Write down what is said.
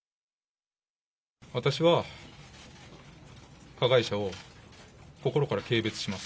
私は加害者を心から軽蔑します。